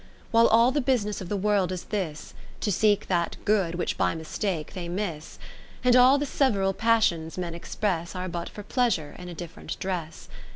While all the business of the World is this. To seek that good which by mistake they miss, 10 And all the several Passions men express Are but for Pleasure in a diff'rent dress.